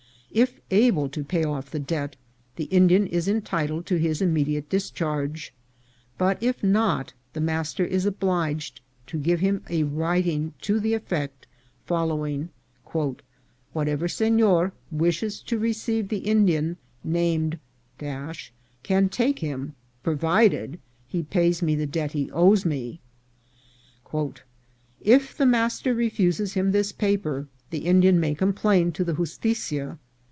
If able to pay off the debt, the Indian is entitled to his immediate discharge ; but if not, the master is obliged to give him a writing to the effect following: "Whatever senor wishes to receive the Indian named , can take him, provided he pays me the debt he owes me." If the master refuses him this paper, the Indian may complain to the justitia.